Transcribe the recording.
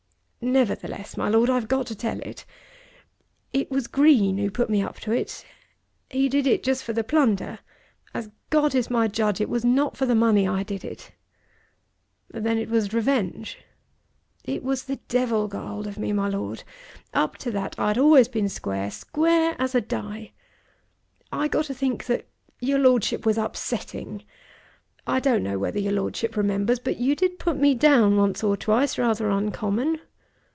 "Nevertheless, my Lord, I've got to tell it. It was Green who put me up to it. He did it just for the plunder. As God is my judge it was not for the money I did it." "Then it was revenge." "It was the devil got hold of me, my Lord. Up to that I had always been square, square as a die! I got to think that your Lordship was upsetting. I don't know whether your Lordship remembers, but you did put me down once or twice rather uncommon."